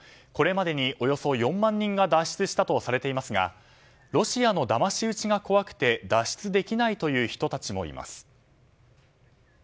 これまでにおよそ４万人が脱出したとされていますがロシアのだまし討ちが怖くて脱出できないという人たちもいます。